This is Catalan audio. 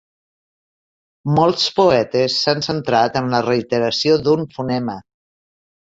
Molts poetes s'han centrat en la reiteració d'un fonema.